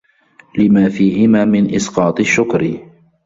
لِمَا فِيهِمَا مِنْ إسْقَاطِ الشُّكْرِ